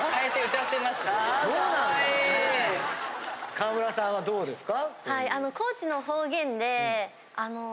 川村さんはどうですか？